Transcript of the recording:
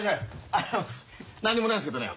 あの何でもないんですけどね。